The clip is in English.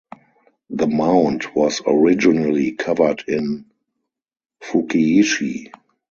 The mound was originally covered in "fukiishi".